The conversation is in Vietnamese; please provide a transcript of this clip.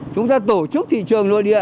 chúng ta tổ chức thị trường nội địa